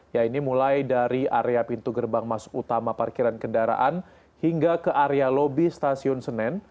ya ini mulai dari area pintu gerbang masuk utama parkiran kendaraan hingga ke area lobi stasiun senen